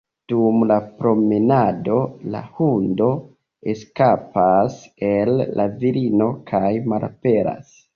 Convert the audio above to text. Dum la promenado, la hundo eskapas el la virino kaj malaperas.